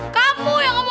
kamu yang mau kalah